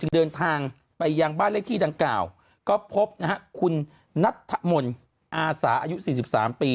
เดินทางไปยังบ้านเลขที่ดังกล่าวก็พบนะฮะคุณนัทธมนต์อาสาอายุ๔๓ปี